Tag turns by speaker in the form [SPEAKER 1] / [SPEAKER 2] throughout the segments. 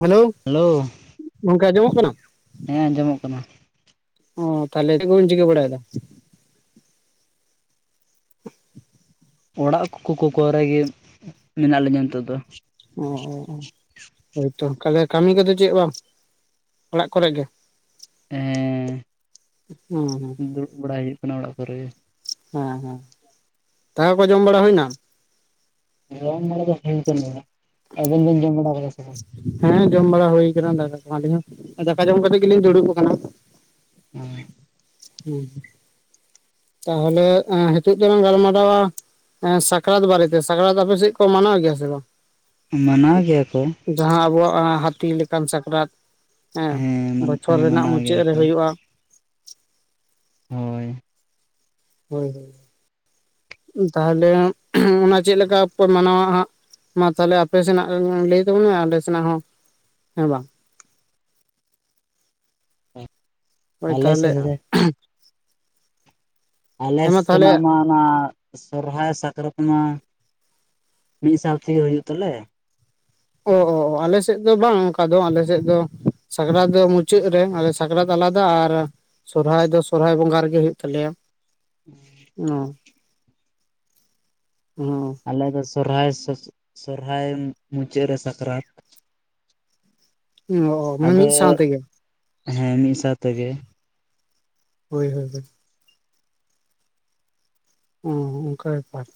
[SPEAKER 1] Hello
[SPEAKER 2] hello
[SPEAKER 1] ᱜᱚᱝᱠᱮ ᱟᱸᱡᱚᱢᱚᱜ ᱠᱟᱱᱟ?
[SPEAKER 2] ᱦᱮᱸ ᱟᱸᱡᱚᱢᱚᱜ ᱠᱟᱱᱟ᱾
[SPEAKER 1] ᱚ ᱛᱟᱦᱚᱞᱮ ᱪᱮᱫ ᱠᱚᱵᱤᱱ ᱵᱟᱲᱟᱭ ᱫᱟ?
[SPEAKER 2] ᱚᱲᱟᱜ ᱠᱚᱠᱚ ᱠᱚᱨᱮᱜ ᱜᱮ ᱢᱮᱱᱟᱜ ᱞᱤᱧᱟᱹ ᱱᱤᱛᱚᱜ ᱫᱚ᱾
[SPEAKER 1] ᱚ ᱚ ᱚ ᱦᱳᱭ ᱛᱚ ᱠᱟᱹᱢᱤ ᱠᱚᱫᱚ ᱪᱮᱫ ᱵᱟᱝ, ᱚᱲᱟᱜ ᱠᱚᱨᱮ ᱜᱮ
[SPEAKER 2] ᱦᱮᱸ
[SPEAKER 1] ᱦᱩᱸ ᱦᱩᱸ,
[SPEAKER 2] ᱵᱟᱲᱟᱭ ᱦᱩᱭᱩᱜ ᱠᱟᱱᱟ ᱚᱲᱟᱜ ᱠᱚᱨᱮ ᱜᱮ,
[SPEAKER 1] ᱦᱮᱸ ᱦᱮᱸ ᱫᱟᱠᱟ ᱠᱚ ᱡᱚᱢ ᱵᱟᱲᱟ ᱦᱩᱭᱮᱱᱟ?
[SPEAKER 2] ᱡᱚᱢ ᱵᱟᱲᱟ ᱫᱚ ᱦᱩᱭ ᱠᱟᱱᱟ ᱜᱮᱭᱟ᱾ ᱟᱵᱮᱱ ᱵᱮᱱ ᱡᱚᱢ ᱵᱟᱲᱟ ᱠᱮᱫᱟ ᱥᱮ ᱵᱟᱝ?
[SPEAKER 1] ᱦᱮᱸ ᱡᱚᱢ ᱵᱟᱲᱟ ᱦᱩᱭ ᱠᱟᱱᱟ ᱫᱟᱠᱟ ᱠᱚ ᱟᱹᱞᱤᱧ ᱦᱚᱸ ᱫᱟᱠᱟ ᱡᱚᱢ ᱠᱟᱛᱮ ᱜᱮᱞᱤᱧ ᱫᱩᱲᱩᱵ ᱠᱟᱱᱟ᱾
[SPEAKER 2] ᱦᱚᱸ
[SPEAKER 1] ᱦᱚ ᱛᱟᱦᱚᱞᱮ ᱦᱤᱛᱚᱜ ᱫᱚᱞᱟᱝ ᱜᱟᱞᱢᱟᱨᱟᱣᱟ, ᱦᱮᱸ ᱥᱟᱠᱨᱟᱛ ᱵᱟᱨᱮᱛᱮ ᱥᱟᱠᱨᱟᱛ ᱟᱯᱮ ᱥᱮᱫ ᱠᱚ ᱢᱟᱱᱟᱣ ᱜᱮᱭᱟ ᱥᱮ ᱵᱟᱝ?
[SPEAKER 2] ᱢᱟᱱᱟᱣ ᱜᱮᱭᱟ ᱠᱚ᱾
[SPEAKER 1] ᱡᱟᱦᱟᱸ ᱟᱵᱚᱣᱟᱜ ᱦᱟᱹᱛᱤ ᱞᱮᱠᱟᱱ ᱥᱟᱠᱨᱟᱛ, ᱦᱮᱸ ᱵᱚᱪᱷᱚᱨ
[SPEAKER 2] ᱦᱮᱸ
[SPEAKER 1] ᱨᱮᱱᱟᱜ
[SPEAKER 2] ᱢᱟᱱᱟᱣ
[SPEAKER 1] ᱢᱩᱪᱟᱹᱫ
[SPEAKER 2] ᱜᱮᱭᱟ
[SPEAKER 1] ᱨᱮ
[SPEAKER 2] ᱠᱚ
[SPEAKER 1] ᱦᱩᱭᱩᱜᱼᱟ᱾
[SPEAKER 2] ᱦᱳᱭ
[SPEAKER 1] ᱦᱳᱭ ᱦᱳᱭ ᱛᱟᱦᱚᱞᱮ ᱚᱱᱟ ᱪᱮᱫ ᱞᱮᱠᱟ ᱯᱮ ᱢᱟᱱᱟᱣᱟ ᱦᱟᱸᱜ ᱢᱟ ᱛᱟᱦᱞᱮ ᱟᱯᱮ ᱥᱮᱱᱟᱜ ᱞᱟᱹᱭ ᱛᱟᱵᱚᱱ ᱢᱮ ᱟᱞᱮ ᱥᱮᱱᱟᱜ ᱦᱚᱸ ᱦᱮᱸ ᱵᱟᱝᱼᱼ ᱦᱳᱭ
[SPEAKER 2] ᱟᱞᱮ
[SPEAKER 1] ᱛᱟᱦᱚᱞᱮ
[SPEAKER 2] [unintelligible] ᱟᱞᱮ
[SPEAKER 1] ᱦᱮᱸ ᱢᱟ
[SPEAKER 2] ᱥᱮᱱᱟᱜ
[SPEAKER 1] ᱛᱟᱦᱚᱞᱮ
[SPEAKER 2] ᱢᱟᱼᱼ ᱚᱱᱟ ᱥᱚᱨᱦᱟᱭ ᱥᱟᱠᱨᱟᱛ ᱢᱟ ᱢᱤᱫ ᱥᱟᱶ ᱛᱮ ᱜᱮ ᱦᱩᱭᱩᱜ ᱛᱟᱞᱮᱼᱼ
[SPEAKER 1] ᱚ ᱟᱞᱮ ᱥᱮᱫ ᱫᱚ ᱵᱟᱝ ᱚᱱᱠᱟ ᱫᱚ ᱟᱞᱮ ᱥᱮᱫ ᱫᱚᱼᱼ ᱥᱟᱠᱨᱟᱛ ᱫᱚ ᱢᱩᱪᱟᱹᱫ ᱨᱮ ᱟᱞᱮ ᱥᱟᱠᱨᱟᱛ ᱟᱞᱟᱫᱟ ᱟᱨᱼᱼ ᱥᱚᱨᱦᱟᱭ ᱫᱚ ᱥᱚᱨᱦᱟᱭ ᱵᱚᱸᱜᱟ ᱨᱮ ᱜᱮ ᱦᱳᱭᱳᱜ ᱛᱟᱞᱮᱭᱟ
[SPEAKER 2] [inaudible]
[SPEAKER 1] [unintelligible]
[SPEAKER 2] ᱟᱞᱮ ᱫᱚ ᱥᱚᱨᱦᱟᱭ ᱥᱚᱨᱦᱟᱭ ᱢᱩᱪᱟᱹᱫ ᱨᱮ ᱥᱟᱠᱨᱟᱛ
[SPEAKER 1] ᱚ ᱢᱟᱱᱮ
[SPEAKER 2] ᱟᱫᱚ
[SPEAKER 1] ᱢᱤᱫ ᱥᱟᱶ ᱛᱮ ᱜᱮᱼᱼ
[SPEAKER 2] ᱦᱮᱸ ᱢᱤᱫ ᱥᱟᱶ ᱛᱮ ᱜᱮᱼᱼ
[SPEAKER 1] ᱦᱳᱭ ᱦᱳᱭ ᱦᱳᱭ ᱚ ᱚᱱᱠᱟ ᱵᱮᱯᱟᱨᱼᱼ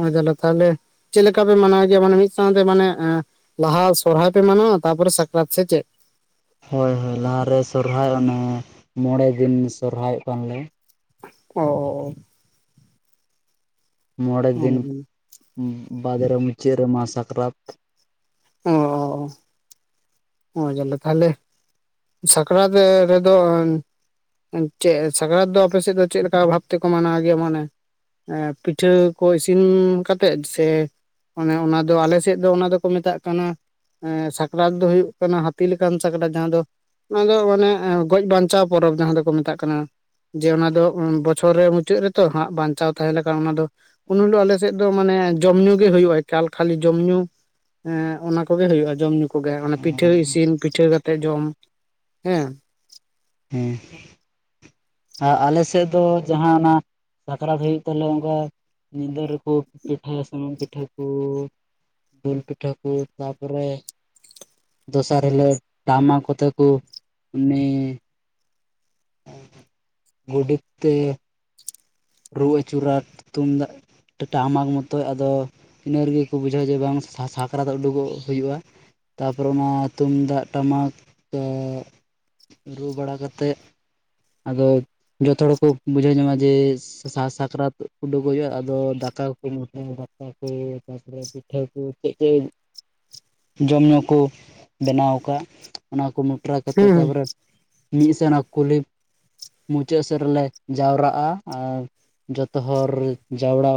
[SPEAKER 1] ᱚ ᱡᱟᱞᱟ ᱛᱟᱦᱚᱞᱮᱼᱼ ᱪᱮᱫ ᱞᱮᱠᱟ ᱯᱮ ᱢᱟᱱᱟᱣ-ᱭᱟ ᱡᱮᱢᱚᱱ ᱢᱤᱫ ᱥᱟᱶ ᱛᱮ ᱢᱟᱱᱮ ᱮ ᱞᱟᱦᱟ ᱥᱚᱨᱦᱟᱭ ᱯᱮ ᱢᱟᱱᱟᱣᱟ ᱛᱟᱯᱚᱨᱮ ᱥᱟᱠᱨᱟᱛ ᱥᱮ ᱪᱮᱫ?
[SPEAKER 2] ᱦᱳᱭ ᱦᱳᱭ ᱞᱟᱦᱟ ᱨᱮ ᱥᱚᱨᱦᱟᱭ ᱚᱱᱮ ᱢᱚᱬᱮ ᱫᱤᱱ ᱥᱚᱨᱦᱟᱭᱚᱜ ᱠᱟᱱᱞᱮᱼᱼ
[SPEAKER 1] ᱚ ᱚ ᱚ
[SPEAKER 2] ᱢᱚᱬᱮ
[SPEAKER 1] ᱚ
[SPEAKER 2] ᱫᱤᱱ ᱵᱟᱫ ᱨᱮ ᱢᱩᱪᱟᱹᱫ ᱨᱮ ᱢᱟ ᱥᱟᱠᱨᱟᱛᱼᱼ
[SPEAKER 1] ᱚ ᱚ ᱡᱟᱞᱟ ᱛᱟᱦᱚᱞᱮᱼᱼ ᱥᱟᱠᱨᱟᱛ ᱨᱮ ᱨᱮ ᱫᱚᱼᱼ ᱪᱮᱫ ᱥᱟᱠᱨᱟᱛ ᱫᱚ ᱟᱯᱮ ᱥᱮᱫ ᱫᱚ ᱪᱮᱫ ᱞᱮᱠᱟ ᱵᱷᱟᱵ ᱛᱮ ᱠᱚ ᱢᱟᱱᱟᱣ ᱜᱮᱭᱟ ᱢᱟᱱᱮ ᱮᱸ ᱯᱤᱴᱷᱟᱹ ᱠᱚ ᱤᱥᱤᱱ ᱠᱟᱛᱮᱫ ᱥᱮ ᱚᱱᱮ ᱚᱱᱟ ᱫᱚ ᱟᱞᱮ ᱥᱮᱫ ᱫᱚ ᱚᱱᱟ ᱫᱚ ᱠᱚ ᱢᱮᱛᱟᱜ ᱠᱟᱱᱟ ᱮᱸ ᱥᱟᱠᱨᱟᱛ ᱫᱚ ᱦᱩᱭᱩᱜ ᱠᱟᱱᱟ ᱦᱟᱹᱛᱤ ᱞᱮᱠᱟᱱ ᱥᱟᱠᱨᱟᱛ ᱡᱟᱦᱟᱸ ᱫᱚᱼᱼ ᱚᱱᱟ ᱫᱚ ᱢᱟᱱᱮ ᱜᱚᱡ ᱵᱟᱧᱪᱟᱣ ᱯᱚᱨᱚᱵᱽ ᱡᱟᱦᱟᱸ ᱫᱚ ᱠᱚ ᱢᱮᱛᱟᱜ ᱠᱟᱱᱟ᱾ ᱡᱮ ᱚᱱᱟ ᱫᱚ ᱵᱚᱪᱷᱚᱨ ᱨᱮ ᱢᱩᱪᱟᱹᱫ ᱨᱮᱛᱚ ᱦᱟᱸᱜ ᱵᱟᱧᱪᱟᱣ ᱛᱟᱦᱮᱸ ᱞᱮᱠᱷᱟ ᱚᱱᱟ ᱫᱚᱼᱼ ᱩᱱ ᱦᱤᱞᱳᱜ ᱟᱞᱮ ᱥᱮᱫ ᱫᱚ ᱢᱟᱱᱮ ᱡᱚᱢ ᱧᱩ ᱜᱮ ᱦᱩᱭᱩᱜᱼᱟ ᱮᱠᱟᱞ ᱠᱷᱟᱹᱞᱤ ᱡᱚᱢ ᱧᱩᱼᱼ ᱮᱸ ᱚᱱᱟ ᱠᱚ ᱜᱮ ᱦᱩᱭᱩᱜᱼᱟ ᱡᱚᱢ ᱧᱩ ᱠᱚ ᱜᱮ ᱚᱱᱟ ᱯᱤᱴᱷᱟᱹ ᱤᱥᱤᱱ ᱯᱤᱴᱷᱟᱹ ᱠᱟᱛᱮᱜ ᱡᱚᱢ ᱦᱮᱸᱼᱼ
[SPEAKER 2] ᱦᱮᱸ ᱟ ᱟᱞᱮ ᱥᱮᱫ ᱫᱚ ᱡᱟᱦᱟᱸ ᱚᱱᱟ ᱥᱟᱠᱨᱟᱛ ᱦᱩᱭᱩᱜ ᱛᱟᱞᱮ ᱚᱱᱠᱟᱼᱼ ᱧᱤᱫᱟᱹ ᱨᱮ ᱠᱚ ᱯᱤᱴᱷᱟᱹᱭᱟ ᱥᱩᱱᱩᱢ ᱯᱤᱴᱷᱟᱹ ᱠᱚᱼᱼ ᱫᱩᱞ ᱯᱤᱴᱷᱟᱹᱠᱩ ᱛᱟᱯᱚ ᱨᱮᱼᱼ ᱫᱚᱥᱟᱨ ᱦᱤᱞᱳᱜ ᱴᱟᱢᱟᱠ ᱠᱚ ᱛᱮ ᱠᱚ ᱩᱱᱤᱼᱼ ᱜᱚᱰᱮᱛ ᱛᱮ ᱨᱩ ᱟᱹᱪᱩᱨᱟ ᱛᱩᱢᱫᱟᱜ ᱴᱟᱢᱟᱠ ᱢᱚᱛᱳ ᱟᱫᱚ ᱤᱱᱟᱹ ᱨᱮ ᱜᱮ ᱠᱚ ᱵᱩᱡᱷᱟᱹᱣᱟ ᱡᱮ ᱵᱟᱝ ᱥᱟᱠᱨᱟᱛ ᱩᱰᱩᱜᱚᱜ ᱦᱩᱭᱩᱜᱼᱟ ᱛᱟᱯᱚᱨᱮ ᱚᱱᱟ ᱛᱩᱢᱫᱟᱜ ᱴᱟᱢᱟᱠ ᱠᱚᱼᱼ ᱨᱩ ᱵᱟᱲᱟ ᱠᱟᱛᱮᱫ ᱟᱫᱚ ᱡᱷᱚᱛᱚ ᱦᱚᱲ ᱠᱚ ᱵᱩᱡᱷᱟᱹᱣ ᱧᱟᱢᱟ ᱡᱮ, ᱥᱟᱨ ᱥᱟᱠᱨᱟᱛ ᱩᱰᱩᱠᱚᱜ ᱦᱩᱭᱩᱜᱼᱟ ᱟᱫᱚ ᱫᱟᱠᱟ ᱠᱚ ᱠᱚ [inaudible] ᱫᱟᱠᱟ ᱠᱚ ᱛᱟᱯᱚᱨᱮᱼᱼ ᱯᱤᱴᱷᱟᱹ ᱠᱚ ᱪᱮᱫ ᱪᱮᱫ? ᱡᱚᱢ ᱧᱩ ᱠᱚ ᱵᱮᱱᱟᱣ ᱠᱟᱫ-ᱟ ᱚᱱᱟ ᱠᱚ ᱢᱚᱴᱨᱟ ᱠᱟᱛᱮ
[SPEAKER 1] ᱦᱩᱸ
[SPEAKER 2] ᱛᱟᱯᱚᱨᱮᱼᱼ ᱢᱤᱫ ᱥᱮᱱᱟᱜ ᱠᱩᱞᱤ ᱢᱩᱪᱟᱹᱫ ᱥᱮᱫ ᱨᱮ ᱞᱮ ᱡᱟᱣᱨᱟᱜᱼᱟ ᱟᱨ ᱡᱷᱚᱛᱚ ᱦᱚᱨ ᱡᱟᱣᱨᱟᱼᱼ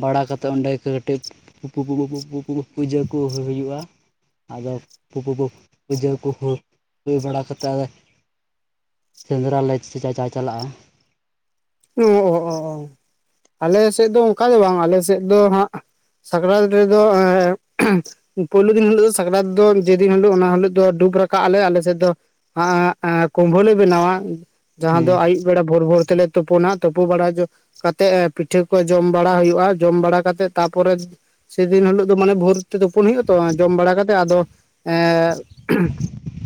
[SPEAKER 2] ᱵᱟᱲᱟ ᱠᱟᱛᱮᱫ ᱚᱸᱰᱮ ᱠᱟᱹᱴᱤᱡ ᱯᱩᱻ ᱯᱩᱡᱟᱹ ᱠᱚ ᱦᱩᱭᱩᱜᱼᱟ ᱟᱫᱚ ᱯᱩᱻ ᱯᱩᱡᱟᱹ ᱠᱚ ᱦᱩᱭ ᱵᱟᱲᱟ ᱠᱟᱛᱮᱫᱼᱼ ᱥᱮᱸᱫᱽᱨᱟ ᱞᱮ ᱪᱟᱪᱟ ᱪᱟᱞᱟᱜᱼᱟ
[SPEAKER 1] ᱚ ᱚ ᱚ ᱚ ᱟᱞᱮ ᱥᱮᱫ ᱫᱚ ᱚᱱᱠᱟ ᱫᱚ ᱵᱟᱝ ᱟᱞᱮ ᱥᱮᱫ ᱫᱚ ᱦᱟᱸᱜᱼᱼ ᱥᱟᱠᱨᱟᱛ ᱨᱮ ᱫᱚᱼᱼ ᱯᱳᱭᱞᱩ ᱫᱤᱱ ᱦᱤᱞᱳᱜ ᱫᱚ ᱥᱟᱠᱨᱟᱛ ᱫᱚ ᱡᱮᱫᱤᱱ ᱦᱤᱞᱳᱜ ᱚᱱᱟ ᱦᱤᱞᱳᱜ ᱫᱚ ᱰᱩᱵ ᱨᱟᱠᱟᱵ ᱟᱞᱮ ᱟᱞᱮ ᱥᱮᱫ ᱫᱚ᱾ ᱦᱟᱸ ᱮ ᱠᱩᱢᱵᱟᱹ ᱞᱮ ᱵᱮᱱᱟᱣᱟ ᱡᱟᱦᱟᱸ ᱫᱚ
[SPEAKER 2] ᱦᱮᱸ
[SPEAKER 1] ᱟᱹᱭᱩᱵ ᱵᱮᱲᱟ ᱵᱷᱳᱨ ᱵᱷᱳᱨ ᱛᱮᱞᱮ ᱛᱩᱯᱩᱱᱟ ᱛᱩᱯᱩ ᱵᱟᱲᱟ ᱠᱟᱛᱮᱫ ᱯᱤᱴᱷᱟᱹ ᱠᱚ ᱡᱚᱢ ᱵᱟᱲᱟ ᱦᱩᱭᱩᱜᱼᱟ, ᱡᱚᱢ ᱵᱟᱲᱟ ᱠᱟᱛᱮᱜ ᱛᱟᱨᱯᱚᱨᱮ ᱥᱮᱫᱤᱱ ᱦᱤᱞᱳᱜ ᱫᱚ ᱢᱟᱱᱮ ᱵᱷᱳᱨ ᱛᱮ ᱛᱩᱯᱩᱱ ᱦᱩᱭᱩᱜᱼᱟ ᱛᱚ ᱡᱚᱢ ᱵᱟᱲᱟ ᱠᱟᱛᱮᱜ ᱟᱫᱚ ᱮᱻ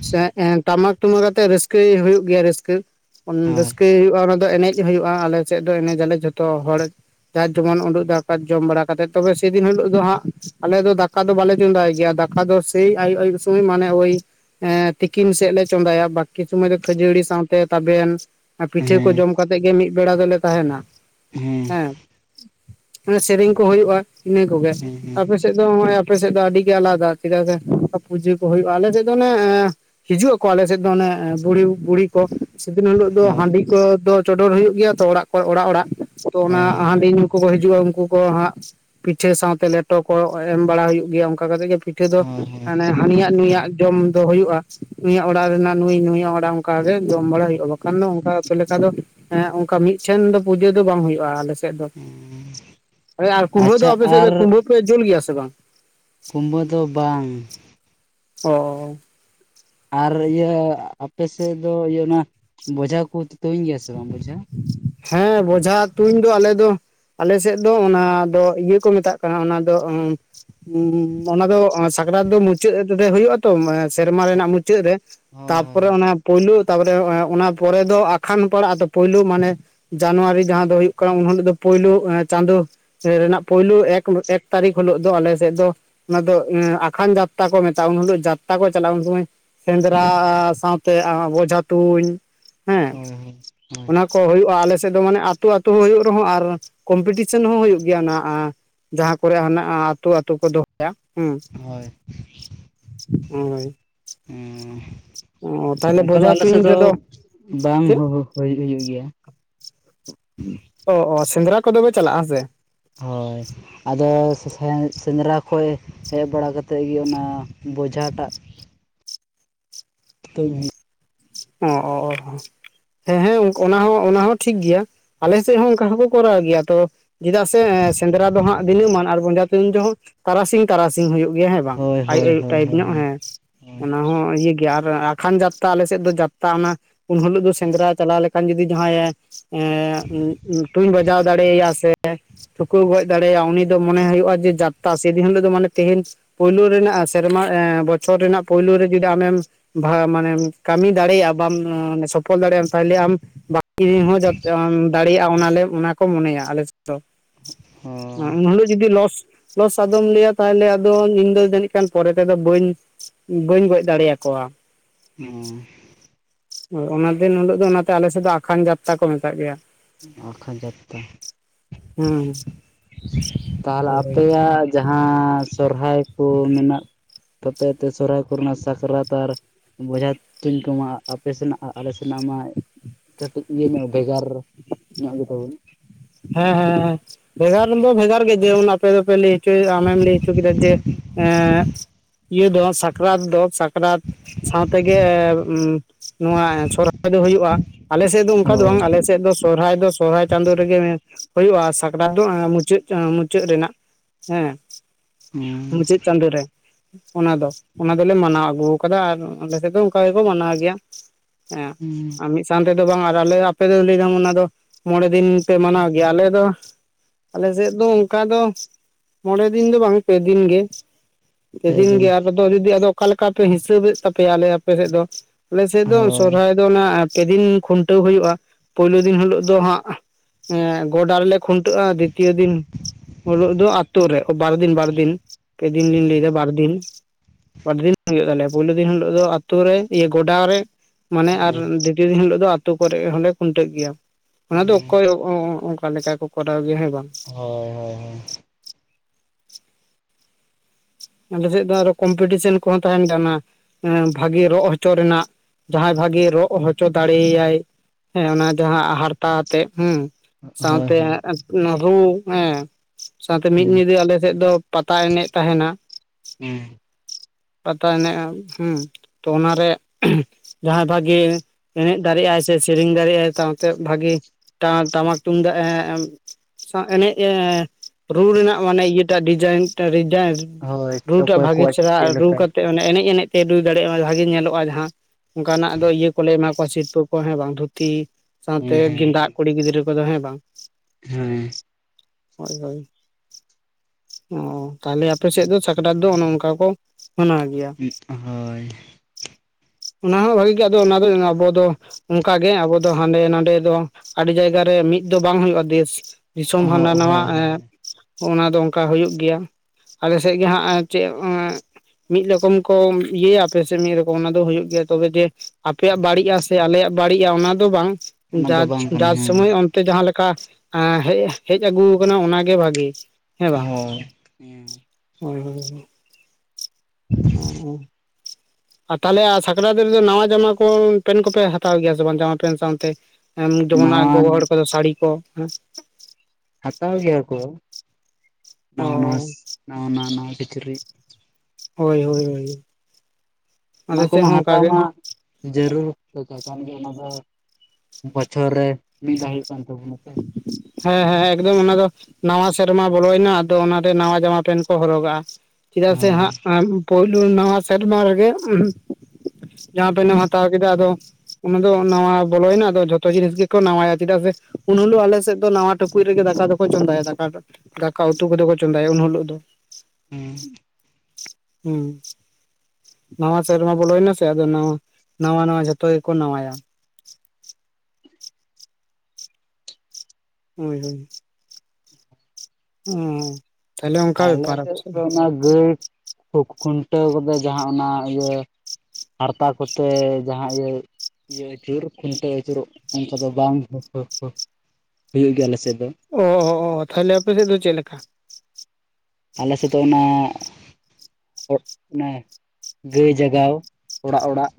[SPEAKER 1] ᱥᱮ ᱮ ᱴᱟᱢᱟᱠ ᱴᱩᱢᱟᱠ ᱠᱟᱛᱮᱜ ᱨᱟᱹᱥᱠᱟᱹᱭ ᱦᱩᱭᱩᱜ ᱜᱮᱭᱟ ᱨᱟᱹᱥᱠᱟᱹ
[SPEAKER 2] ᱦᱳᱭ
[SPEAKER 1] ᱨᱟᱹᱥᱠᱟᱹᱭ ᱦᱩᱭᱩᱜᱼᱟ ᱚᱱᱟ ᱫᱚ ᱮᱱᱮᱡ ᱦᱩᱭᱩᱜᱼᱟ, ᱟᱞᱮ ᱥᱮᱫ ᱫᱚ ᱮᱱᱮᱡ ᱟᱞᱮ ᱡᱷᱚᱛᱚ ᱦᱚᱲ᱾ ᱡᱟᱨ ᱡᱮᱢᱚᱱ ᱩᱰᱩᱜ ᱫᱟᱠᱟ ᱡᱚᱢ ᱵᱟᱲᱟ ᱠᱟᱛᱮᱜ, ᱛᱚᱵᱮ ᱥᱮᱫᱤᱱ ᱦᱤᱞᱳᱜ ᱫᱚ ᱦᱟᱸᱜ ᱟᱞᱮ ᱫᱚ ᱫᱟᱠᱟ ᱫᱚ ᱵᱟᱞᱮ ᱪᱚᱸᱫᱟᱭ ᱜᱮᱭᱟ ᱫᱟᱠᱟ ᱫᱚ ᱥᱮᱭ ᱟᱭᱩ ᱟᱭᱩᱵ ᱥᱩᱢᱚᱭ ᱢᱟᱱᱮ ᱳᱭ ᱮᱸ ᱛᱤᱠᱤᱱ ᱥᱮᱫ ᱞᱮ ᱪᱚᱸᱫᱟᱭᱟ ᱵᱟᱠᱤ ᱥᱚᱢᱚᱭ ᱫᱚ ᱠᱷᱟᱹᱡᱟᱹᱲᱤ ᱥᱟᱶᱛᱮ ᱛᱟᱵᱮᱱ ᱯᱤᱴᱷᱟᱹ ᱠᱚ
[SPEAKER 2] ᱦᱮᱸ
[SPEAKER 1] ᱡᱚᱢ ᱠᱟᱛᱮᱜ ᱜᱮ ᱢᱤᱫ ᱵᱮᱲᱟ ᱫᱚᱞᱮ ᱛᱟᱦᱮᱱᱟ ᱦᱮᱸ ᱥᱮᱨᱮᱧ ᱠᱚ ᱦᱩᱭᱩᱜᱼᱟ᱾ ᱤᱱᱟᱹ ᱠᱚᱜᱮ ᱟᱯᱮ
[SPEAKER 2] ᱦᱮᱸ ᱦᱮᱸ
[SPEAKER 1] ᱟᱯᱮ ᱥᱮᱫ ᱫᱚ ᱱᱚᱜᱼᱚᱭ ᱟᱯᱮ ᱥᱮᱫ ᱫᱚ ᱟᱹᱰᱤ ᱜᱮ ᱟᱞᱟᱫᱟ ᱪᱮᱫᱟᱜ ᱥᱮ ᱯᱩᱡᱟᱹ ᱠᱚ ᱦᱩᱭᱩᱜᱼᱟ, ᱟᱞᱮᱥᱮᱫ ᱫᱚ ᱚᱱᱮ ᱦᱤᱡᱩᱜ ᱟᱠᱚ ᱟᱞᱮ ᱥᱮᱫ ᱫᱚ ᱚᱱᱮ ᱵᱩᱲᱦᱤ ᱵᱩᱲᱦᱤ ᱠᱚ ᱥᱮᱫᱤᱱ ᱦᱤᱞᱳ ᱫᱚ
[SPEAKER 2] ᱦᱳᱭ
[SPEAKER 1] ᱦᱟᱺᱰᱤ ᱠᱚᱫᱚ ᱪᱚᱰᱚᱨ ᱦᱩᱭᱩᱜ ᱜᱮᱭᱟ ᱛᱚ ᱚᱲᱟᱜ, ᱚᱲᱟᱜ ᱚᱲᱟᱜ ᱛᱚ ᱚᱱᱟ
[SPEAKER 2] ᱦᱳᱭ
[SPEAKER 1] ᱦᱟᱺᱰᱤ ᱧᱩ ᱠᱚ ᱠᱚ ᱦᱤᱡᱩᱜᱼᱟ ᱩᱱᱠᱩ ᱠᱚ ᱦᱟᱸᱜ ᱯᱤᱴᱷᱟᱹ ᱥᱟᱶᱛᱮ ᱞᱮᱴᱚ ᱠᱚ ᱮᱢ ᱵᱟᱲᱟ ᱦᱩᱭᱩᱜ ᱜᱮᱭᱟ, ᱚᱱᱠᱟ ᱠᱟᱛᱮᱫ ᱜᱮ ᱯᱤᱴᱷᱟᱹ ᱫᱚ
[SPEAKER 2] ᱦᱳᱭ ᱦᱳᱭ
[SPEAKER 1] ᱢᱟᱱᱮ
[SPEAKER 2] ᱦᱳᱭ
[SPEAKER 1] ᱦᱟᱱᱤᱭᱟᱜ ᱱᱩᱭᱟᱜ ᱡᱚᱢ ᱫᱚ ᱦᱩᱭᱩᱜᱼᱟ ᱾ᱱᱩᱭᱟᱜ ᱚᱲᱟᱜ ᱨᱮᱱᱟᱜ ᱱᱩᱭ ᱱᱩᱭᱟᱜ ᱚᱲᱟᱜ ᱚᱱᱠᱟᱜᱮ ᱡᱚᱢ ᱵᱟᱲᱟ ᱦᱩᱭᱩᱜᱼᱟ᱾ ᱵᱟᱠᱷᱟᱱ ᱫᱚ ᱚᱱᱠᱟ ᱟᱯᱮ ᱞᱮᱠᱟ ᱫᱚ ᱦᱮᱸ ᱚᱱᱠᱟ ᱢᱤᱫ ᱴᱷᱮᱱ ᱫᱚ ᱯᱩᱡᱟᱹ ᱫᱚ ᱵᱟᱝ ᱦᱩᱭᱩᱜᱼᱟ ᱟᱞᱮ ᱥᱮᱫ ᱫᱚ᱾ ᱟᱨ ᱠᱩᱢᱵᱟᱹ ᱫᱚ
[SPEAKER 2] ᱟᱪᱪᱷᱟ
[SPEAKER 1] ᱟᱯᱮ ᱥᱮᱫ
[SPEAKER 2] ᱟᱨ
[SPEAKER 1] ᱠᱩᱢᱵᱟᱹ ᱯᱮ ᱡᱩᱞ ᱜᱮᱭᱟ ᱥᱮ ᱵᱟᱝ?
[SPEAKER 2] ᱠᱩᱢᱵᱟᱹ ᱫᱚ ᱵᱟᱝ᱾
[SPEAKER 1] ᱚ
[SPEAKER 2] ᱟᱨ ᱤᱭᱟᱹ ᱟᱯᱮ ᱥᱮᱫ ᱫᱚ ᱤᱭᱟᱹ ᱚᱱᱟ ᱵᱚᱡᱷᱟ ᱠᱚ ᱛᱩᱧ ᱜᱮᱭᱟ ᱥᱮ ᱵᱟᱝ ᱵᱚᱡᱷᱟ?
[SPEAKER 1] ᱦᱮᱸ ᱵᱚᱡᱷᱟ ᱛᱩᱧ ᱫᱚ ᱟᱞᱮ ᱫᱚ ᱟᱞᱮ ᱥᱮᱫ ᱫᱚ ᱚᱱᱟ ᱫᱚ ᱤᱭᱟᱹ ᱠᱚ ᱢᱮᱛᱟᱜ ᱠᱟᱱᱟ ᱚᱱᱟ ᱫᱚ ᱦᱩᱸ ᱚᱱᱟ ᱫᱚ ᱥᱟᱠᱨᱟᱛ ᱫᱚ ᱢᱩᱪᱟᱹᱫ ᱨᱮ ᱦᱩᱭᱩᱜ-ᱟ ᱛᱚ ᱥᱮᱨᱢᱟ ᱨᱮᱱᱟᱜ ᱢᱩᱪᱟᱹᱫ ᱨᱮ
[SPEAKER 2] ᱦᱳᱭ ᱦᱳᱭ
[SPEAKER 1] ᱛᱟᱯᱚᱨᱮ
[SPEAKER 2] ᱦᱳᱭ
[SPEAKER 1] ᱚᱱᱟ ᱯᱳᱭᱞᱳ ᱛᱟᱯᱚᱨᱮ ᱚᱱᱟ ᱯᱚᱨᱮ ᱫᱚ ᱟᱠᱷᱟᱱ ᱯᱟᱲᱟᱜ-ᱟ ᱛᱚ᱾ ᱯᱳᱭᱞᱳ ᱢᱟᱱᱮ ᱡᱟᱱᱩᱣᱟᱨᱤ ᱡᱟᱦᱟᱸ ᱫᱚ ᱦᱩᱭᱩᱜ ᱠᱟᱱᱟ ᱩᱱ ᱦᱤᱞᱳᱜ ᱫᱚ ᱯᱳᱭᱞᱳ ᱪᱟᱸᱫᱳ ᱨᱮᱱᱟᱜ ᱯᱳᱭᱞᱳ ᱮᱠ ᱮᱠ ᱛᱟᱹᱨᱤᱠᱷ ᱦᱤᱞᱳᱜ ᱫᱚ ᱟᱞᱮ ᱥᱮᱫ ᱫᱚ ᱚᱱᱟ ᱫᱚ ᱟᱠᱷᱟᱱ ᱡᱟᱛᱛᱟ ᱠᱚ ᱢᱮᱛᱟᱜᱼᱟ᱾ ᱩᱱ ᱦᱤᱞᱳᱜ ᱡᱟᱛᱛᱟ ᱠᱚ ᱪᱟᱞᱟᱜᱼᱟ, ᱩᱱ ᱥᱚᱢᱚᱭ ᱥᱮᱸᱫᱽᱨᱟ ᱥᱟᱶᱛᱮ ᱟ ᱵᱚᱡᱷᱟ ᱛᱩᱧ
[SPEAKER 2] ᱦᱳᱭ ᱦᱮᱸ
[SPEAKER 1] ᱚᱱᱟ ᱠᱚ ᱦᱩᱭᱩᱜᱼᱟ ᱟᱞᱮ ᱥᱮᱫ ᱫᱚ, ᱢᱟᱱᱮ ᱟᱹᱛᱳ ᱟᱹᱛᱳ ᱦᱚᱸ ᱦᱩᱭᱩᱜ ᱨᱮᱦᱚᱸ ᱟᱨ ᱠᱚᱢᱯᱤᱴᱤᱥᱮᱱ ᱦᱚᱸ ᱦᱩᱭᱩᱜ ᱜᱮᱭᱟ ᱱᱟᱜ ᱟ᱾ ᱡᱟᱦᱟᱸ ᱠᱚᱨᱮ ᱦᱮᱱᱟᱜ-ᱟ ᱟᱛᱳ ᱟᱛᱳ ᱠᱚᱫᱚ [unintelligible]
[SPEAKER 2] ᱦᱳᱭ
[SPEAKER 1] ᱚᱸ ᱛᱟᱦᱞᱮ
[SPEAKER 2] ᱚᱱᱠᱟ ᱫᱚ
[SPEAKER 1] ᱵᱚᱡᱷᱟ
[SPEAKER 2] ᱟᱞᱮ
[SPEAKER 1] ᱛᱩᱧ
[SPEAKER 2] ᱥᱮᱫ
[SPEAKER 1] ᱨᱮᱫᱚ
[SPEAKER 2] ᱫᱚ ᱵᱟᱝ
[SPEAKER 1] ᱪᱮᱫ
[SPEAKER 2] ᱦᱚ ᱦᱚ ᱦᱩᱭᱩᱜ ᱜᱮᱭᱟ
[SPEAKER 1] ᱚ ᱚ ᱥᱮᱸᱫᱽᱨᱟ ᱠᱚᱫᱚ ᱯᱮ ᱪᱟᱞᱟᱜᱼᱟ ᱦᱮᱸ ᱥᱮ?
[SPEAKER 2] ᱦᱳᱭ ᱟᱫᱚ ᱥᱮᱸ ᱥᱮᱸᱫᱽᱨᱟ ᱠᱷᱚᱱ ᱦᱮᱡ ᱵᱟᱲᱟ ᱠᱟᱛᱮᱫ ᱜᱮ ᱚᱱᱟ ᱵᱚᱡᱷᱟ ᱴᱟᱜ ᱛᱩᱧ ᱦᱩᱭ
[SPEAKER 1] ᱚ ᱚ ᱚᱻ ᱦᱮᱸ ᱦᱮᱸ ᱚᱱᱟ ᱦᱚᱸ ᱚᱱᱟ ᱦᱚᱸ ᱴᱷᱤᱠ ᱜᱮᱭᱟ ᱟᱞᱮ ᱥᱮᱫ ᱦᱚᱸ ᱚᱱᱠᱟ ᱦᱚᱸᱠᱚ ᱠᱚᱨᱟᱣ ᱜᱮᱭᱟ ᱛᱚ᱾ ᱪᱮᱫᱟᱜ ᱥᱮᱸ ᱥᱮᱸᱫᱽᱨᱟ ᱫᱚ ᱦᱟᱸᱜ ᱫᱤᱱᱟᱹᱢᱟᱱ ᱟᱨ ᱵᱚᱡᱷᱟ ᱛᱩᱧ ᱡᱚᱦᱚᱜ ᱛᱟᱨᱟᱥᱤᱧ ᱛᱟᱨᱟᱥᱤᱧ ᱦᱩᱭᱩᱜ ᱜᱮᱭᱟ ᱦᱮᱸ ᱵᱟᱝ
[SPEAKER 2] ᱦᱳᱭ
[SPEAKER 1] ᱟᱭᱩᱵ
[SPEAKER 2] ᱦᱳᱭ
[SPEAKER 1] ᱟᱹᱭᱩᱵ
[SPEAKER 2] ᱦᱳᱭ
[SPEAKER 1] ᱴᱟᱭᱤᱯ
[SPEAKER 2] ᱦᱳᱭ
[SPEAKER 1] ᱧᱚᱜ
[SPEAKER 2] ᱦᱳᱭ
[SPEAKER 1] ᱦᱮᱸ ᱚᱱᱟ ᱦᱚᱸ ᱤᱭᱟᱹ ᱜᱮ ᱟᱠᱷᱟᱱ ᱡᱟᱛᱛᱟ ᱟᱞᱮ ᱥᱮᱫ ᱫᱚ ᱡᱟᱛᱛᱟ ᱚᱱᱟ ᱩᱱ ᱦᱤᱞᱳᱜ ᱫᱚ ᱥᱮᱸᱫᱽᱨᱟ ᱪᱟᱞᱟᱣ ᱞᱮᱠᱷᱟᱱ ᱡᱩᱫᱤ ᱡᱟᱦᱟᱸᱭᱮ ᱮᱸ [unintelligible] ᱛᱩᱧ ᱵᱟᱡᱟᱣ ᱫᱟᱲᱮᱭᱟᱭᱟ ᱥᱮ ᱴᱷᱩᱠᱟᱹᱣ ᱜᱚᱡ ᱫᱟᱲᱮᱭᱟ ᱩᱱᱤ ᱫᱚ ᱢᱚᱱᱮ ᱦᱩᱭᱩᱜᱼᱟ ᱡᱮ ᱡᱟᱛᱛᱟ ᱥᱮᱫᱤᱱ ᱦᱤᱞᱳ ᱫᱚ ᱢᱟᱱᱮ ᱛᱮᱦᱮ ᱯᱳᱭᱞᱳ ᱨᱮᱱᱟᱜ ᱥᱮᱨᱢᱟ ᱮᱸ ᱵᱚᱪᱷᱚᱨ ᱨᱮᱱᱟᱜ ᱯᱳᱭᱞᱳ ᱨᱮ ᱡᱩᱫᱤ [unintelligible] ᱟᱢᱮᱢ ᱢᱟᱱᱮᱢ ᱠᱟᱹᱢᱤ ᱫᱟᱲᱮᱭᱟᱜᱼᱟ ᱵᱟᱢ ᱥᱚᱯᱷᱚᱞ ᱫᱟᱲᱮᱭᱟᱜᱼᱟᱢ ᱛᱟᱦᱚᱞᱮ ᱟᱢ ᱤᱧ ᱦᱚᱸ [unintelligible] ᱫᱟᱲᱮᱭᱟᱜᱼᱟ ᱚᱱᱟᱞᱮ ᱚᱱᱟ ᱠᱚ ᱢᱚᱱᱮᱭᱟ ᱟᱞᱮ ᱥᱮᱫ ᱫᱚ᱾
[SPEAKER 2] ᱚ
[SPEAKER 1] ᱩᱱᱦᱤᱞᱳᱜ ᱡᱩᱫᱤ ᱞᱚᱥ ᱞᱚᱥ ᱟᱫᱚᱢ ᱞᱟᱹᱭᱟ ᱛᱟᱦᱚᱞᱮ ᱟᱫᱚ ᱤᱧ ᱫᱚ ᱡᱟᱹᱱᱤᱡ ᱯᱚᱨᱮ ᱛᱮᱫᱚ ᱵᱟᱹᱧ ᱵᱟᱹᱧ ᱜᱚᱡ ᱫᱟᱲᱮᱭᱟ ᱠᱚᱣᱟ ᱾
[SPEAKER 2] ᱚ ᱾
[SPEAKER 1] ᱳ ᱚᱱᱟ ᱫᱤᱱ ᱦᱤᱞᱳᱜ ᱫᱚ ᱚᱱᱟᱛᱮ ᱟᱞᱮ ᱥᱮᱫ ᱫᱚ ᱟᱠᱷᱟᱱ ᱡᱟᱛᱛᱟ ᱠᱚ ᱢᱮᱛᱟᱜ ᱜᱮᱭᱟ ᱾
[SPEAKER 2] ᱟᱠᱷᱟᱱ ᱡᱟᱛᱛᱟ
[SPEAKER 1] ᱦᱩᱸ
[SPEAKER 2] [inaudible] ᱛᱟᱦᱞᱮ
[SPEAKER 1] ᱦᱳᱭ ᱦᱳᱭ
[SPEAKER 2] ᱟᱯᱮᱭᱟᱜ ᱡᱟᱦᱟᱸ ᱥᱚᱨᱦᱟᱭ ᱠᱚ ᱢᱮᱱᱟᱜ ᱛᱟᱯᱮ ᱛᱚ ᱥᱚᱨᱦᱟᱭ ᱠᱚᱨᱮᱱᱟᱜ ᱥᱟᱠᱨᱟᱛ ᱟᱨ ᱵᱚᱡᱷᱟ ᱛᱩᱧ ᱠᱚᱢᱟ ᱟᱯᱮ ᱥᱮᱱᱟᱜ ᱟᱞᱮ ᱥᱮᱱᱟᱜ ᱢᱟ ᱠᱟᱹᱴᱤᱡ ᱤᱭᱟᱹ [unintelligible] ᱢᱮ ᱵᱷᱮᱜᱟᱨ ᱧᱚᱜ ᱜᱮᱛᱟ ᱵᱚᱱ ᱾
[SPEAKER 1] ᱦᱮᱸ ᱦᱮᱸ ᱦᱮᱸ ᱵᱷᱮᱜᱟᱨ ᱫᱚ ᱵᱷᱮᱜᱟᱨ ᱜᱮ ᱡᱮᱢᱚᱱ ᱟᱯᱮ ᱫᱚᱯᱮ ᱞᱟᱹᱭ [unintelligible] ᱟᱢᱮᱢ ᱞᱟᱹᱭ ᱦᱚᱪᱚ ᱠᱮᱫᱟ ᱡᱮ ᱮᱸᱜ ᱤᱭᱟᱹ ᱫᱚ ᱥᱟᱠᱨᱟᱛ ᱫᱚ ᱥᱟᱠᱨᱟᱛ ᱥᱟᱶ ᱛᱮᱜᱮ ᱩᱸ ᱱᱚᱣᱟ ᱥᱚᱨᱦᱟᱭ ᱫᱚ ᱦᱩᱭᱩᱜᱼᱟ, ᱟᱞᱮ ᱥᱮᱫ ᱫᱚ ᱚᱱᱠᱟ ᱫᱚ
[SPEAKER 2] ᱦᱳᱭ
[SPEAKER 1] ᱵᱟᱝ ᱟᱞᱮ ᱥᱮᱫ ᱫᱚ ᱥᱚᱨᱦᱟᱭ ᱫᱚ ᱥᱚᱨᱦᱟᱭ ᱪᱟᱸᱫᱳ ᱦᱳᱭᱳᱜᱼᱟ ᱾ ᱥᱟᱠᱨᱟᱛ ᱫᱚ ᱢᱩᱪᱟᱹᱫ ᱢᱩᱪᱟᱹᱫ ᱨᱮᱱᱟᱜ ᱦᱮᱸ ᱾
[SPEAKER 2] ᱦᱩᱸ ᱾
[SPEAKER 1] ᱢᱩᱪᱟᱹᱫ ᱪᱟᱸᱫᱳ ᱨᱮ ᱾ ᱚᱱᱟ ᱫᱚ ᱚᱱᱟ ᱫᱚᱞᱮ ᱢᱟᱱᱟᱣ ᱟᱹᱜᱩ ᱠᱟᱫᱟ ᱟᱨ ᱟᱞᱮ ᱥᱮᱫ ᱫᱚ ᱚᱱᱠᱟ ᱜᱮᱠᱚ ᱢᱟᱱᱟᱣ ᱜᱮᱭᱟ ᱾ ᱦᱮᱸ
[SPEAKER 2] ᱦᱩᱸ
[SPEAKER 1] ᱟᱨ ᱢᱤᱫ ᱥᱟᱶ ᱛᱮ ᱫᱚ ᱵᱟᱝ ᱟᱞᱮ ᱟᱯᱮ ᱫᱚ ᱞᱟᱹᱭᱫᱟᱢ ᱚᱱᱟ ᱫᱚ ᱢᱚᱬᱮ ᱫᱤᱱ ᱯᱮ ᱢᱟᱱᱟᱣ ᱜᱮᱭᱟ, ᱟᱞᱮ ᱫᱚ ᱟᱞᱮ ᱥᱮᱫ ᱫᱚ ᱚᱱᱠᱟ ᱫᱚ ᱢᱚᱬᱮ ᱫᱤᱱ ᱫᱚ ᱵᱟᱝ ᱯᱮ ᱫᱤᱱ ᱜᱮ ᱾ ᱯᱮ ᱫᱤᱱ ᱜᱮ ᱟᱫᱚ ᱡᱫᱤ ᱟᱫᱚ ᱚᱠᱟ ᱞᱮᱠᱟ ᱯᱮ ᱦᱤᱥᱟᱹᱵᱮᱫ ᱛᱟᱯᱮᱭᱟ ᱟᱞᱮ ᱟᱯᱮ ᱥᱮᱫ ᱫᱚ? ᱟᱞᱮᱥᱮᱫ ᱫᱚ
[SPEAKER 2] ᱦᱳᱭ
[SPEAKER 1] ᱥᱚᱨᱦᱟᱭ ᱫᱚ ᱚᱱᱟ ᱯᱮ ᱫᱤᱱ ᱠᱷᱩᱱᱴᱟᱹᱣ ᱦ [unintelligible] ᱦᱩᱭᱩᱜ-ᱟ ᱯᱳᱭᱞᱳ ᱫᱤᱱ ᱦᱤᱞᱳᱜ ᱫᱚ ᱦᱟᱸᱜ ᱮᱸ ᱜᱚᱰᱟ ᱨᱮ ᱞᱮ ᱠᱷᱩᱱᱴᱟᱹᱜ-ᱟ, ᱫᱤᱛᱤᱭᱚ ᱫᱤᱱ ᱦᱩᱞᱳᱜ ᱫᱚ ᱟᱛᱳ ᱨᱮ ᱵᱟᱨ ᱫᱤᱱ ᱵᱟᱨ ᱫᱤᱱ ᱯᱮᱫᱤᱱ ᱞᱤᱧ ᱞᱟᱹᱭᱫᱟ ᱵᱟᱨ ᱫᱤᱱ ᱾ ᱵᱟᱨ ᱫᱤᱱ ᱦᱩᱭᱩᱜ ᱛᱟᱞᱮᱭᱟ ᱯᱩᱭᱞᱳ ᱫᱤᱱ ᱦᱤᱞᱳ ᱫᱚ ᱟᱛᱳ ᱨᱮ ᱤᱭᱟᱹ ᱜᱚᱰᱟ ᱨᱮ᱾ ᱢᱟᱱᱮ ᱟᱨ
[SPEAKER 2] ᱦᱳᱭ
[SPEAKER 1] ᱫᱤᱛᱤᱭᱚ ᱫᱤᱱ ᱦᱤᱞᱳ ᱫᱚ ᱟᱛᱳ ᱠᱚᱨᱮ ᱦᱚ ᱞᱮ ᱠᱷᱩᱱᱴᱟᱹᱜ ᱜᱮᱭᱟ ᱚᱱᱟ ᱫᱚ ᱚᱠᱚᱭ ᱦᱚᱸ ᱚᱱᱠᱟ ᱞᱮᱠᱟ ᱠᱚ ᱠᱚᱨᱟᱣ ᱜᱮᱭᱟ ᱦᱮᱸ ᱵᱟᱝ?
[SPEAKER 2] ᱦᱳᱭ ᱦᱳᱭ ᱦᱳᱭ᱾
[SPEAKER 1] ᱟᱞᱮ ᱥᱮᱫ ᱫᱚ ᱟᱨᱚ ᱠᱚᱢᱯᱤᱴᱤᱥᱮᱱ ᱠᱚᱦᱚᱸ ᱛᱟᱦᱮᱱ ᱠᱟᱱᱟ ᱵᱷᱟᱹᱜᱤ ᱨᱚᱜ ᱦᱚᱪᱚ ᱨᱮᱱᱟᱜ ᱾ ᱡᱟᱦᱟᱸᱭ ᱵᱷᱟᱜᱤ ᱨᱚᱜ ᱦᱚᱪᱚ ᱫᱟᱲᱮᱭᱟᱭ ᱦᱮᱸ ᱚᱱᱟ ᱡᱟᱦᱟᱸ ᱦᱟᱨᱛᱟ ᱟᱛᱮᱜ ᱦᱩᱸ᱾
[SPEAKER 2] ᱦᱳᱭ
[SPEAKER 1] ᱥᱟᱶᱛᱮ ᱱᱚᱣᱟ ᱨᱩ ᱦᱮᱸ ᱾ ᱥᱟᱶᱛᱮ ᱢᱤᱫ
[SPEAKER 2] ᱦᱩᱸ
[SPEAKER 1] ᱧᱤᱫᱟᱹ ᱟᱞᱮ ᱥᱮᱫ ᱫᱚ ᱯᱟᱛᱟ ᱮᱱᱮᱡ ᱛᱟᱦᱮᱱᱟ ᱾
[SPEAKER 2] ᱦᱩᱸ ᱾
[SPEAKER 1] ᱯᱟᱛᱟ ᱮᱱᱮᱡ-ᱟ ᱦᱩᱸ, ᱛᱚ ᱚᱱᱟᱨᱮ ᱡᱟᱦᱟᱸᱭ ᱵᱷᱟᱜᱮ ᱮᱱᱮᱡ ᱫᱟᱲᱮᱜ-ᱟᱭ ᱥᱮ ᱥᱮᱨᱮᱧ ᱫᱟᱲᱮᱜ-ᱟᱭ ᱥᱟᱶᱛᱮ ᱵᱷᱟᱜᱤ ᱴ [unintelligible] ᱴᱟᱢᱟᱠ ᱛᱩᱢᱫᱟᱜ ᱮᱸ ᱥᱟᱶ ᱮᱱᱮᱡ ᱮᱸ ᱨᱩ ᱨᱮᱱᱟᱜ ᱢᱟᱱᱮ ᱤᱭᱟᱹ ᱴᱟᱜ ᱰᱤᱡᱟᱭᱤᱱ [unintelligible] ᱡᱟᱭ
[SPEAKER 2] ᱦᱳᱭ
[SPEAKER 1] ᱨᱩ ᱴᱟᱜ
[SPEAKER 2] ᱚᱠᱚᱭ
[SPEAKER 1] ᱵᱷᱟᱜᱮ
[SPEAKER 2] ᱠᱚᱣᱟᱜ
[SPEAKER 1] ᱪᱮᱦᱨᱟ
[SPEAKER 2] ᱪᱮᱫ
[SPEAKER 1] ᱨᱩ
[SPEAKER 2] ᱞᱮᱠᱟ
[SPEAKER 1] ᱠᱟᱛᱮ ᱮ ᱮᱱᱮᱡ ᱮᱱᱮᱡ ᱛᱮᱭ ᱨᱩ ᱫᱟᱲᱮᱭᱟᱜ-ᱟ ᱵᱷᱟᱜᱮ ᱧᱮᱞᱚᱜ-ᱟ ᱡᱟᱦᱟᱸ᱾ ᱚᱱᱠᱟᱱᱟᱜ ᱫᱚ ᱤᱭᱟᱹ ᱠᱚᱞᱮ ᱮᱢᱟ ᱠᱚᱣᱟ ᱥᱤᱨᱯᱟᱹ ᱠᱚ ᱦᱮᱸ ᱵᱟᱝ ᱫᱷᱩᱛᱤ, ᱥᱟᱶᱛᱮ
[SPEAKER 2] ᱦᱮᱸ
[SPEAKER 1] ᱜᱮᱸᱫᱟᱜ ᱠᱩᱲᱤ ᱜᱤᱫᱽᱨᱟᱹ ᱠᱚ ᱫᱚ ᱦᱮᱸ ᱵᱟᱝ ᱾
[SPEAKER 2] ᱦᱮᱸ᱾
[SPEAKER 1] ᱦᱳᱭ ᱦᱳᱭ ᱚᱸ ᱛᱟᱦᱞᱮ ᱟᱯᱮ ᱥᱮᱫ ᱫᱚ ᱥᱟᱠᱨᱟᱛ ᱫᱚ ᱚᱱᱮ ᱚᱱᱠᱟ ᱠᱚ ᱢᱟᱱᱟᱣ ᱜᱮᱭᱟ
[SPEAKER 2] ᱩᱸᱜ ᱦᱳᱭ᱾
[SPEAKER 1] ᱚᱱᱟ ᱦᱚᱸ ᱵᱷᱟᱜᱮ ᱜᱮ ᱟᱫᱚ ᱚᱱᱟ ᱫᱚ ᱟᱵᱚ ᱫᱚ ᱚᱱᱠᱟ ᱜᱮ ᱟᱵᱚ ᱫᱚ ᱦᱟᱸᱰᱮ ᱱᱟᱰᱮ ᱫᱚ ᱟᱹᱰᱤ ᱡᱟᱭᱜᱟ ᱨᱮ ᱢᱤᱫ ᱫᱚ ᱵᱟᱝ ᱦᱩᱭᱩᱜ-ᱟ, ᱫᱮᱥ ᱫᱤᱥᱚᱢ ᱦᱟᱱᱟ ᱱᱟᱣᱟ
[SPEAKER 2] ᱦᱳᱭ ᱦᱳᱭ
[SPEAKER 1] ᱮᱸ ᱚᱱᱟ ᱫᱚ ᱚᱱᱠᱟ ᱦᱩᱭᱩᱜ ᱜᱮᱭᱟ, ᱟᱞᱮᱥᱮᱫ ᱜᱮ ᱦᱟᱸᱜ ᱟᱨ ᱪᱮᱫ ᱢᱤᱫ ᱨᱚᱠᱚᱢ ᱠᱚ ᱤᱭᱟᱹᱭᱟ ᱟᱯᱮ ᱥᱮᱫ ᱢᱤᱫ ᱨᱚᱠᱚᱢ ᱚᱱᱟ ᱫᱚ ᱦᱩᱭᱩᱜ ᱜᱮᱭᱟ ᱛᱚᱵᱮ ᱡᱮ ᱟᱯᱮᱭᱟᱜ ᱵᱟᱹᱲᱤᱡ-ᱟ ᱥᱮ ᱟᱞᱮᱭᱟᱜ ᱵᱟᱹᱲᱤᱡ-ᱟ ᱚᱱᱟ ᱫᱚ ᱵᱟᱝ ᱾
[SPEAKER 2] ᱚᱱᱟ ᱫᱚ
[SPEAKER 1] ᱡᱟ
[SPEAKER 2] ᱵᱟᱝ ᱠᱟᱱᱟ
[SPEAKER 1] ᱡᱟᱛ
[SPEAKER 2] ᱦᱮᱸ
[SPEAKER 1] ᱥᱚᱢᱚᱭ ᱛᱮ ᱡᱟᱦᱟᱸ ᱞᱮᱠᱟ ᱮᱸ ᱦᱮᱡ ᱦᱮᱡ ᱟᱹᱜᱩ ᱟᱠᱟᱱᱟ ᱚᱱᱟ ᱜᱮ ᱵᱷᱟᱜᱤ ᱾
[SPEAKER 2] ᱦᱳᱭ ᱩᱸ᱾
[SPEAKER 1] [inaudible] ᱚᱸ ᱟᱨ ᱛᱟᱦᱚᱞᱮ ᱥᱟᱠᱨᱟᱛ ᱨᱮ ᱫᱚ ᱱᱟᱣᱟ ᱡᱟᱢᱟ ᱠᱚ ᱯᱮᱱ ᱠᱚ ᱯᱮ ᱦᱟᱛᱟᱣ ᱜᱮᱭᱟ ᱥᱮ ᱵᱟᱝ ᱡᱟᱢᱟ ᱯᱮᱱ ᱥᱟᱶᱛᱮ? ᱮᱸᱢ ᱡᱮᱢᱚᱱ
[SPEAKER 2] ᱱᱟᱣᱟ
[SPEAKER 1] ᱜᱚᱜᱚ ᱦᱚᱲ ᱠᱚ ᱫᱚ ᱥᱟᱹᱲᱤ ᱠᱚ ᱦᱮᱸ᱾
[SPEAKER 2] ᱦᱟᱛᱟᱣ ᱜᱮᱭᱟ ᱠᱚ
[SPEAKER 1] ᱚ
[SPEAKER 2] ᱱᱟᱣᱟ ᱱᱟᱣᱟ ᱱᱟᱣᱟ ᱱᱟᱣᱟ ᱱᱟᱣᱟ ᱠᱤᱪᱨᱤᱡᱸ
[SPEAKER 1] ᱦᱳᱭ ᱦᱳᱭ ᱦᱳᱭ᱾
[SPEAKER 2] ᱚᱱᱟ
[SPEAKER 1] ᱟᱞᱮ ᱥᱮᱫ
[SPEAKER 2] ᱠᱚᱢᱟ
[SPEAKER 1] ᱦᱚᱸ ᱚᱱᱠᱟ
[SPEAKER 2] ᱦᱟᱛᱟᱣ
[SPEAKER 1] ᱜᱮ
[SPEAKER 2] ᱢᱟ ᱡᱟᱹᱨᱩᱲᱮ [unintelligible] ᱚᱱᱟ ᱫᱚ᱾ ᱵᱚᱪᱷᱚᱨ ᱨᱮ ᱢᱤᱫ ᱫᱷᱟᱣ ᱦᱩᱭᱩᱜ ᱠᱟᱱ ᱛᱟᱵᱚᱱᱟ ᱛᱚ᱾
[SPEAKER 1] ᱦᱮᱸ ᱦᱮᱸ ᱮᱠᱫᱚᱢ ᱚᱱᱟ ᱫᱚ᱾ ᱱᱟᱣᱟ ᱥᱮᱨᱢᱟ ᱵᱚᱞᱚᱭᱮᱱᱟ ᱟᱫᱚ ᱚᱱᱟᱨᱮ ᱱᱟᱣᱟ ᱡᱟᱢᱟ ᱯᱮᱱᱴ ᱠᱚ ᱦᱚᱨᱚᱜᱟ-ᱟ ᱪᱮᱫᱟᱜ ᱥᱮ
[SPEAKER 2] ᱦᱳᱭ
[SPEAKER 1] ᱦᱟᱸᱜ ᱯᱩᱭᱞᱩ ᱱᱟᱣᱟ ᱥᱮᱨᱢᱟ ᱨᱮ ᱜᱮ ᱡᱟᱢᱟ ᱯᱮᱱ ᱮᱢ ᱦᱟᱛᱟᱣ ᱠᱮᱫᱟ ᱟᱫᱚ᱾ ᱚᱱᱟ ᱫᱚ ᱱᱟᱣᱟ ᱵᱚᱞᱚᱭᱮᱱᱟ ᱟᱫᱚ ᱡᱷᱚᱛᱚ ᱡᱤᱱᱤᱥ ᱜᱮ ᱠᱚ ᱱᱟᱣᱟᱭᱟ ᱪᱮᱫᱟᱜ ᱥᱮ ᱩᱱ ᱦᱤᱞᱳᱜ ᱟᱞᱮᱥᱮᱫ ᱫᱚ ᱱᱟᱣᱟ ᱴᱩᱠᱩᱡ ᱨᱮᱜᱮ ᱫᱟᱠᱟ ᱫᱚ ᱠᱚ ᱪᱚᱸᱫᱟᱭᱟ ᱫᱟᱠᱟ ᱠᱟ᱾ ᱫᱟᱠᱟ ᱩᱛᱩ ᱠᱚ ᱫᱚ ᱠᱚ ᱪᱚᱸᱫᱟᱭᱟ ᱩᱱ ᱦᱤᱞᱳᱜ ᱫᱚ
[SPEAKER 2] ᱦᱮᱸ
[SPEAKER 1] ᱦᱩᱸ᱾ ᱱᱟᱣᱟ ᱥᱮᱨᱢᱟ ᱵᱚᱞᱚᱭᱮᱱᱟ ᱥᱮ ᱟᱫᱚ ᱱᱟᱣᱟ ᱱᱟᱣᱟ ᱱᱟᱣᱟ ᱡᱷᱚᱛᱚ ᱜᱮ ᱠᱚ ᱱᱟᱣᱟᱭᱟ᱾ ᱦᱳᱭ ᱦᱳᱭ᱾ ᱦᱮᱸ
[SPEAKER 2] ᱟᱞᱮ ᱥᱮᱫ ᱫᱚ ᱚᱱᱟ ᱜᱟᱹᱭ ᱠᱚ ᱠᱷᱩᱱᱴᱟᱹᱣ ᱠᱟᱛᱮ ᱡᱟᱦᱟᱸ ᱚᱱᱟ ᱤᱭᱟᱹ ᱦᱟᱨᱛᱟ ᱠᱚᱛᱮ ᱡᱟᱦᱟᱸ ᱤᱭᱟᱹ ᱤᱭᱟᱹ ᱡᱳᱨ ᱠᱷᱩᱱᱴᱟᱹᱣ ᱟᱹᱪᱩᱨᱚᱜ ᱚᱱᱠᱟ ᱫᱚ ᱵᱟᱝ ᱦᱩᱭᱩᱜ ᱜᱮᱭᱟ ᱟᱞᱮ ᱥᱮᱫ ᱫᱚ,
[SPEAKER 1] ᱚ ᱛᱟᱦᱞᱮ ᱟᱯᱮᱥᱮᱫ ᱫᱚ ᱪᱮᱫ ᱞᱮᱠᱟ,
[SPEAKER 2] ᱟᱞᱮ ᱥᱮᱫ ᱫᱚ ᱚᱱᱟ ᱚᱱᱟ ᱜᱟᱹᱭ ᱡᱟᱜᱟᱣ ᱚᱲᱟᱜ ᱚᱲᱟᱜ,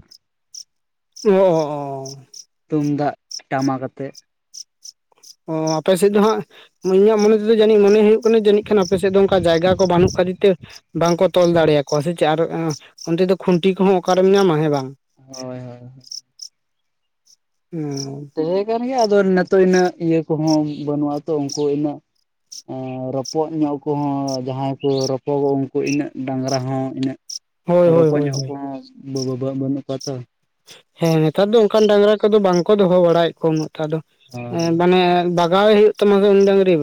[SPEAKER 1] ᱚᱼ ᱚᱻ ᱦᱚᱸ
[SPEAKER 2] ᱛᱩᱢᱫᱟᱜ ᱴᱟᱢᱟᱠ ᱟᱛᱮᱫ,
[SPEAKER 1] ᱚ, ᱟᱯᱮ ᱥᱮᱫ ᱫᱚ ᱦᱟᱸᱜ ᱤᱧᱟᱜ ᱢᱚᱱᱮ ᱛᱮᱫᱚ ᱡᱟᱹᱱᱤᱡ ᱢᱚᱱᱮ ᱦᱩᱭᱩᱜᱼᱟ ᱡᱟᱹᱱᱤᱜ ᱠᱷᱟᱱ ᱟᱯᱮᱥᱮᱫ ᱫᱚ ᱚᱱᱠᱟ ᱡᱟᱭᱜᱟ ᱠᱚ ᱵᱟᱹᱱᱩᱜ ᱠᱷᱛᱤᱨ ᱛᱮ ᱵᱟᱝᱠᱚ ᱛᱚᱞ ᱫᱟᱲᱮᱭᱟᱠᱚᱣᱟ ᱥᱮ ᱪᱮᱫ ᱟᱨ ᱚᱱᱛᱮ ᱫᱚ ᱠᱷᱩᱱᱴᱤ ᱠᱚᱦᱚᱸ ᱚᱠᱟᱨᱮᱢ ᱧᱟᱢᱟ ᱦᱮᱸ ᱵᱟᱝ,
[SPEAKER 2] ᱦᱚᱭ ᱦᱚᱭ
[SPEAKER 1] ᱦᱩᱸ
[SPEAKER 2] ᱛᱟᱦᱮᱸ ᱠᱟᱱ ᱜᱮᱭᱟ ᱟᱫᱚ ᱱᱤᱛᱚᱜ ᱤᱱᱟᱹᱜ ᱤᱭᱟᱹ ᱠᱚᱦᱚᱸ ᱵᱟᱹᱱᱩᱜᱼᱟ ᱛᱚ ᱩᱱᱠᱩ ᱤᱱᱟᱹᱜ, ᱨᱚᱯᱚᱜ ᱧᱚᱜ ᱠᱚᱦᱚᱸ ᱡᱟᱦᱟᱸᱭ ᱠᱚ ᱨᱚᱯᱚᱜᱚᱜ ᱩᱱᱠᱩ ᱤᱱᱟᱹᱜ ᱰᱟᱝᱨᱟ ᱦᱚᱸ ᱤᱱᱟᱹᱜ᱾
[SPEAKER 1] ᱦᱳᱭ ᱦᱳᱭ
[SPEAKER 2] ᱨᱚᱯᱚᱲ
[SPEAKER 1] ᱦᱳᱭ
[SPEAKER 2] ᱧᱚᱜ
[SPEAKER 1] ᱦᱳᱭ
[SPEAKER 2] ᱠᱚᱦᱚᱸ ᱵᱟᱹᱱᱩᱜ ᱠᱚᱣᱟ ᱛᱚ,
[SPEAKER 1] ᱦᱮᱸ ᱱᱮᱛᱟᱨ ᱫᱚ ᱚᱱᱠᱟᱱ ᱰᱟᱝᱨᱟ ᱠᱚᱫᱚ ᱵᱟᱝᱠᱚ ᱫᱚᱦᱚ ᱵᱟᱲᱟᱭᱮᱫ ᱠᱚᱣᱟ ᱩᱱᱟᱹᱜ ᱴᱟᱜ ᱫᱚ
[SPEAKER 2] ᱦᱳᱭ
[SPEAKER 1] ᱢᱟᱱᱮ, ᱡᱚᱜᱟᱣ-ᱮ ᱦᱩᱭᱩᱜ ᱛᱟᱢᱟ ᱩᱱᱤ ᱰᱟᱝᱨᱤ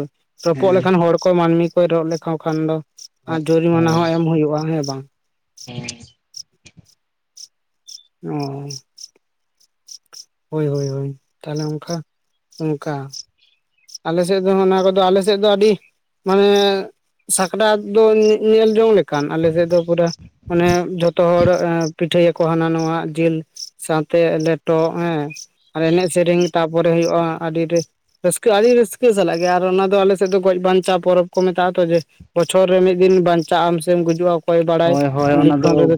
[SPEAKER 1] ᱨᱚᱯᱚᱜ
[SPEAKER 2] ᱦᱮᱸ
[SPEAKER 1] ᱞᱮᱠᱷᱟᱱ ᱦᱚᱲ ᱠᱚ ᱢᱟᱹᱱᱢᱤ ᱠᱚ ᱨᱚᱜ ᱞᱮᱠᱷᱷᱟ ᱠᱷᱟᱱ ᱫᱚ, ᱟᱨ ᱡᱩᱨᱤᱢᱟᱱᱟ ᱦᱚᱸ ᱮᱢ ᱦᱩᱭᱩᱜᱼᱟ ᱦᱮᱸ ᱵᱟᱝ,
[SPEAKER 2] ᱦᱮᱸ
[SPEAKER 1] ᱚ ᱦᱳᱭ ᱦᱳᱭ ᱦᱳᱭ ᱛᱟᱦᱞᱮ ᱚᱱᱠᱟ ᱚᱱᱠᱟ, ᱟᱞᱮᱥᱮᱫ ᱫᱚ ᱚᱱᱟ ᱠᱚᱫᱚ ᱟᱞᱮᱥᱮᱫ ᱫᱚ ᱟᱹᱰᱤ, ᱢᱟᱱᱮ ᱥᱟᱠᱨᱟᱛ ᱫᱚ ᱧᱮᱞ ᱡᱚᱝ ᱞᱮᱠᱟ, ᱠᱟᱱ ᱟᱞᱮᱥᱮᱫ ᱫᱚ ᱯᱩᱨᱟ ᱢᱟᱱᱮ ᱡᱷᱚᱛᱚ ᱦᱚᱲ ᱮᱸ ᱯᱤᱴᱷᱟᱹᱭᱟᱠᱚ ᱦᱟᱱᱟ ᱱᱚᱣᱟ ᱡᱮᱞ ᱥᱟᱶᱛᱮ ᱞᱮᱴᱚ ᱦᱮᱸ ᱟᱨ ᱮᱱᱮᱡ ᱥᱮᱨᱮᱧ ᱛᱟᱨᱯᱚᱨᱮ ᱦᱩᱭᱩᱜᱼᱟ ᱟᱹᱰᱤ ᱨᱟᱹᱥ ᱨᱟ. ᱥᱠᱟᱹ ᱟᱹᱰᱤ ᱨᱟᱹᱥᱠᱟᱹ ᱥᱟᱞᱟᱜ ᱜᱮ ᱚᱱᱟ ᱫᱚ ᱟᱞᱮ ᱥᱮᱫ ᱫᱚ ᱜᱚᱡ ᱵᱟᱧᱪᱟᱣ ᱯᱚᱨᱚᱵᱽ ᱠᱚ ᱢᱮᱛᱟᱜᱼᱟ ᱛᱚ ᱡᱮ ᱵᱚᱪᱷᱚᱨ ᱨᱮ ᱢᱤᱫ ᱫᱤᱱ ᱵᱟᱧᱪᱟᱜ ᱟᱢ ᱥᱮᱢ ᱜᱩᱡᱩᱜᱼᱟ ᱚᱠᱚᱭ ᱵᱟᱲᱟᱭ
[SPEAKER 2] ᱦᱳᱭ ᱦᱳᱭ ᱚᱱᱟ
[SPEAKER 1] ᱞᱤᱠᱷᱚᱱ
[SPEAKER 2] ᱫᱚ
[SPEAKER 1] ᱨᱮᱫᱚ